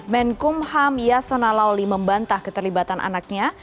menkumham yasona lawli membantah keterlibatan anaknya